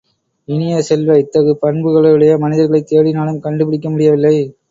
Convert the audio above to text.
இனிய செல்வ, இத்தகு பண்புகளுடைய மனிதர்களைக் தேடினாலும் கண்டுபிடிக்க முடியவில்லை.